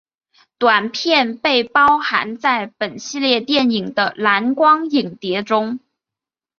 短片被包含在本系列电影的蓝光影碟中。